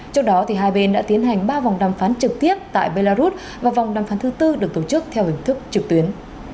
trước đó hai bên đã tiến hành ba vòng đàm phán trực tiếp tại belarus và vòng đàm phán thứ tư được tổ chức theo hình thức trực tuyến